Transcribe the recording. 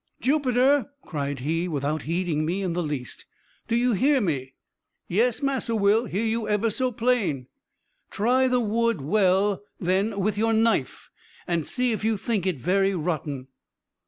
"Jupiter," cried he, without heeding me in the least, "do you hear me?" "Yes, Massa Will, hear you ebber so plain." "Try the wood well, then, with your knife, and see if you think it very rotten."